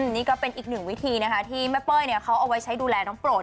นี่ก็เป็นอีกหนึ่งวิธีนะคะที่แม่เป้ยเขาเอาไว้ใช้ดูแลน้องโปรด